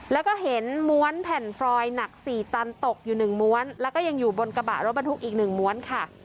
แล้วก็เห็นม้วนแผ่นฟรอยหนัก๔ตันตกอยู่๑ม้วนแล้วก็ยังอยู่บนกระบะรถบรรทุกอีกหนึ่งม้วนค่ะ